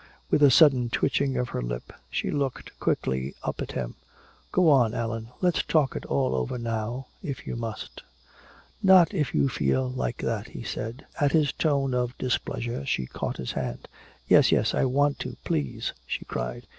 With a sudden twitching of her lip she looked quickly up at him. "Go on, Allan let's talk it all over now if you must!" "Not if you feel like that," he said. At his tone of displeasure she caught his hand. "Yes, yes, I want to! Please!" she cried.